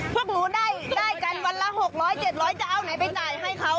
พวกหนูได้กันวันละ๖๐๐๗๐๐จะเอาไหนไปจ่ายให้เขา